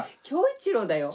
恭一郎だよ。